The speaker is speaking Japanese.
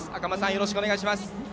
よろしくお願いします。